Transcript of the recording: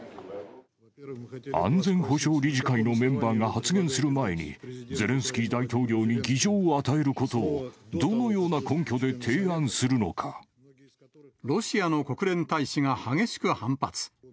安全保障理事会のメンバーが発言する前に、ゼレンスキー大統領に議場を与えることをどのような根拠で提案すロシアの国連大使が激しく反発。